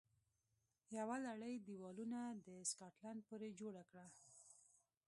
یوه لړۍ دېوالونه د سکاټلند پورې جوړه کړه